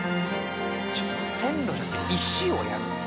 線路じゃなくて石をやるの？